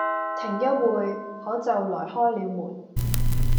停一會，可就來開了門。